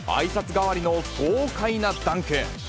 代わりの豪快なダンク。